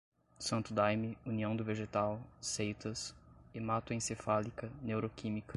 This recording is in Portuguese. santo daime, união do vegetal, seitas, hematoencefálica, neuroquímica